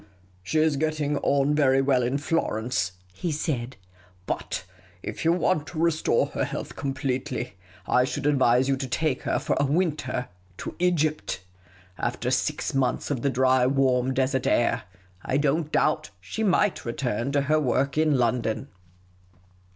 " She is getting on very well in Florence," he said ;" but if you want to restore her health completely, I should advise you to take her for a winter to Egypt. After six months of the dry, warm, desert air, I don't doubt she might return to lier work in lyondon."